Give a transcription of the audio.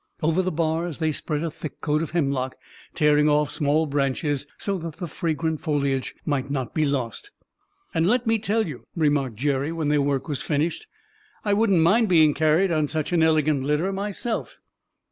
Over the bars they spread a thick coat of hemlock, tearing off small branches so that the fragrant foliage might not be lost. "And let me tell you," remarked Jerry, when their work was finished, "I wouldn't mind being carried on such an elegant litter, myself.